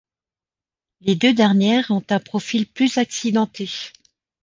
Les deux dernières ont un profil plus accidenté.